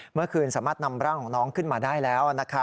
เมื่อคืนสามารถนำร่างของน้องขึ้นมาได้แล้ว